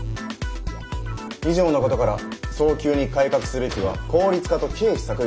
以上のことから早急に改革すべきは効率化と経費削減です。